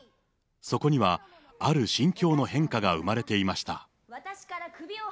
そこにはある心境の変化が生まれていました。